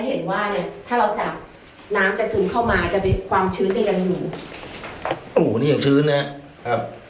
น้ำจะซึมเข้ามาจะเป็นความชื้นในกันหนูโอ้โหนี่อย่างชื้นนะครับ